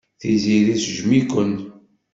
Tiziri tejjem-iken.